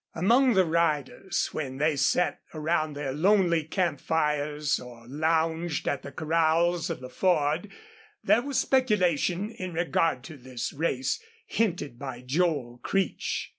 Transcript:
Among the riders, when they sat around their lonely camp fires, or lounged at the corrals of the Ford, there was speculation in regard to this race hinted by Joel Creech.